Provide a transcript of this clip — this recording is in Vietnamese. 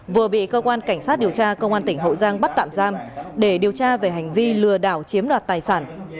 vừa bị cơ quan cảnh sát điều tra công an tỉnh hậu giang bắt tạm giam để điều tra về hành vi lừa đảo chiếm đoạt tài sản